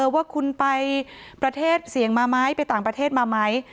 ว่าคุณไปประเทศเสี่ยงมาไหมไปต่างประเทศมาไหม